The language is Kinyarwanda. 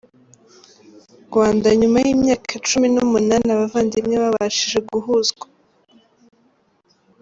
Rwanda Nyuma y’imyaka cumi numunani abavandimwe babashije guhuzwa